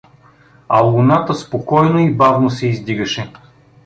А Луната спокойно и бавно се издигаше.